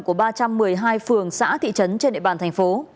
của ba trăm một mươi hai phường xã thị trấn trên địa bàn thành phố